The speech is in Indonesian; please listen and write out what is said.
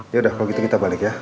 yaudah kalau gitu kita balik ya